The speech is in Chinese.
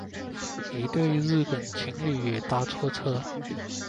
一对日本情侣也搭错车